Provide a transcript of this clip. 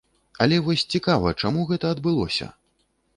Але вось цікава, чаму гэта адбылося?